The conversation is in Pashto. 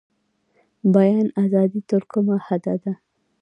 بیان ازادي تر کومه حده ده؟